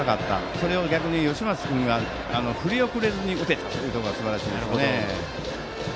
それを逆に吉松君が振り遅れずに打てたのがすばらしいところですね。